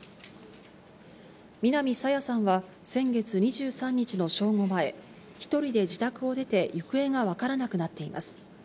南朝芽さんは先月２３日の正午前、１人で自宅を出て、行方が分からなくなっています。